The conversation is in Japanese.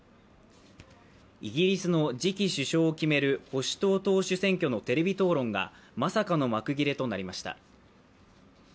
イギリスの次期首相を決める保守党党首選挙のテレビ討論がまさかの幕切れとなりました。